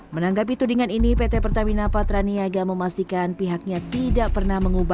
menanggapi tudingan ini pt pertamina patraniaga memastikan pihaknya tidak pernah mengubah